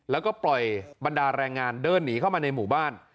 แล้วก็ปล่อยบรรดาแรงงานเดินหนีเข้ามาในหมู่บ้าน